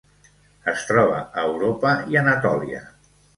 Es troba a Europa i Anatòlia.